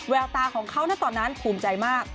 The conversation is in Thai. ตาของเขาตอนนั้นภูมิใจมาก